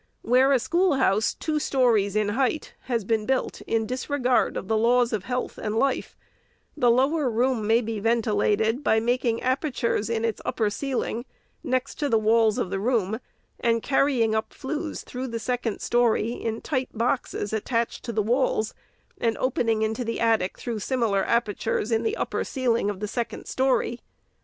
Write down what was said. Where a schoolhouse two stories in height has been built in disregard of the laws of health and life, the lower room may be ventilated by making apertures in its upper ceiling, next to the walls of the room, and car rying up flues through the second story in tight boxes, attached to the walls, and opening into the attic through similar apertures in the upper ceiling of the second story.